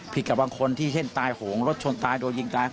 กับบางคนที่เช่นตายโหงรถชนตายโดนยิงตาย